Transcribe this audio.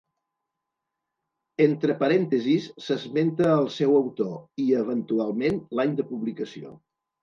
Entre parèntesis s'esmenta el seu autor i, eventualment, l'any de publicació.